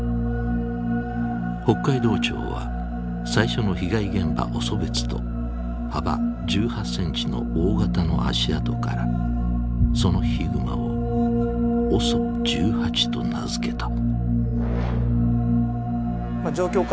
北海道庁は最初の被害現場オソベツと幅１８センチの大型の足跡からそのヒグマをＯＳＯ１８と名付けた。